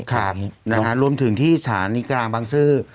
ค่ะรวมถึงที่สถานีกรางบังซื้อ